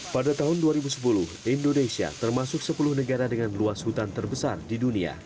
pada tahun dua ribu sepuluh indonesia termasuk sepuluh negara dengan luas hutan terbesar di dunia